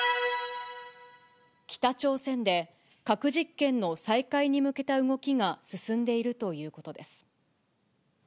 北朝鮮で、核実験の再開に向けた動きが進んでいるということです。